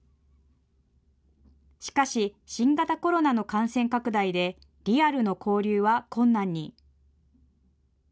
しかし、新型コロナの感染拡大で、リアルの交流は困難に。